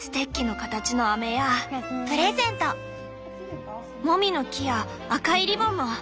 もみの木や赤いリボンも。